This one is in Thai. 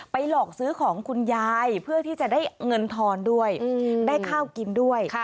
หลอกซื้อของคุณยายเพื่อที่จะได้เงินทอนด้วยได้ข้าวกินด้วย